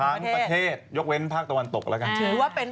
ทั้งประเทศยกเว้นภาคตะวันตกละกัน